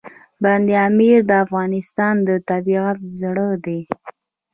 بند امیر د افغانستان د طبیعت زړه دی.